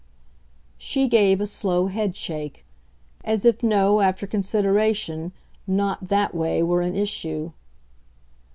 She gave a slow headshake as if, no, after consideration, not THAT way were an issue.